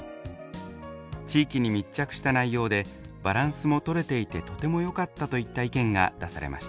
地域に密着した内容でバランスもとれていてとてもよかった」といった意見が出されました。